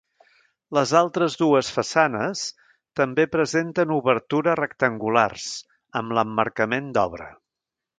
Les altres dues façanes també presenten obertures rectangulars, amb l'emmarcament d'obra.